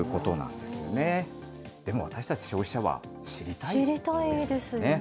でも私たち消費者は知りたいです知りたいですよね。